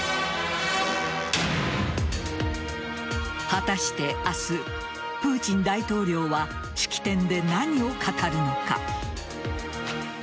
果たして明日プーチン大統領は式典で何を語るのか。